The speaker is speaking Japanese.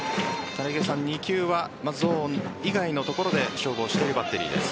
２球はまずゾーン以外のところで勝負をしているバッテリーです。